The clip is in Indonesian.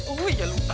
oh ya lupa